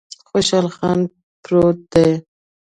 خوشحال خان پروت دی